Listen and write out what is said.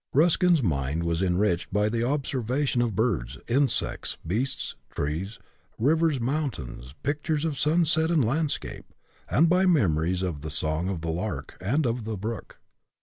Ruskin's mind was enriched by the observa tion of birds, insects, beasts, trees, rivers, mountains, pictures of sunset and 4 landscape, and by memories of the song of the lark and of the brook.